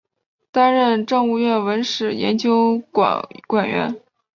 担任政务院文史研究馆馆员。